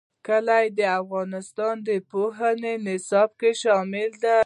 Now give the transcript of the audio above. کلي د افغانستان د پوهنې نصاب کې شامل دي.